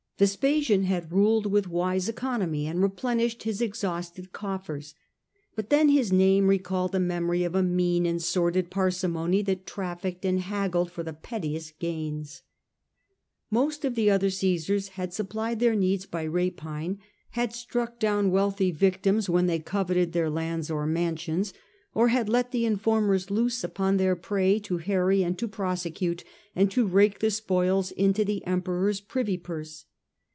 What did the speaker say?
Vespasian had ruled with wise economy and replenished his e.xhausted coffers ; but then his name recalled the memory of a mean and sordid parsimony that trafficked and haggled for the pettiest gains. Most of the other Cmsars had supplied their needs by rapine ; had struck down wealthy victims when they coveted their lands or mansions, or had let the informers loose upon their prey, to harry and to prosecute, and to rake the spoils into the Emperor's and wish to privy purse.